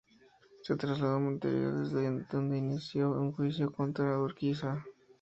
Se trasladó a Montevideo, desde donde inició un juicio contra Urquiza.